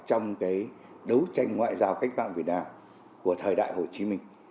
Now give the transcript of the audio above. trong cái đấu tranh ngoại giao cách mạng việt nam của thời đại hồ chí minh